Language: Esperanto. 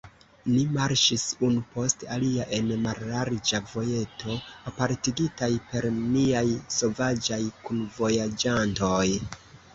Ni marŝis unu post alia en mallarĝa vojeto, apartigitaj per niaj sovaĝaj kunvojaĝantoj.